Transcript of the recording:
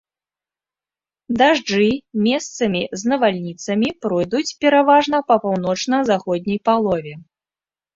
Дажджы, месцамі з навальніцамі, пройдуць пераважна па паўночна-заходняй палове.